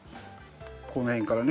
この辺からね。